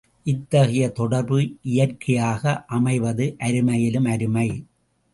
இத்தகைய தொடர்பு இயற்கையாக அமைவது அருமையினும் அருமை.